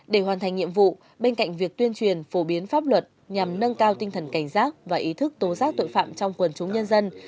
để hoàn thành nhiệm vụ bên cạnh việc tuyên truyền phổ biến pháp luật nhằm nâng cao tinh thần cảnh giác và ý thức tố giác tội phạm trong quần chúng nhân dân